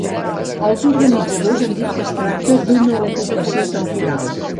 Els organitzadors han dit que es tracta d’una ocupació temporal.